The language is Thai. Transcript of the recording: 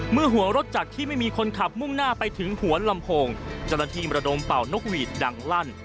เมื่อหัวรถจากที่ไม่มีคนขับมุ่งหน้าไปถึงหัวลำโพงเจ้าหน้าที่มรดมเป่านกหวีดดังลั่น